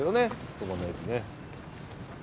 ここの駅ね。